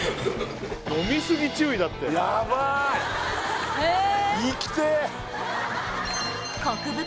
飲み過ぎ注意だってえあっ！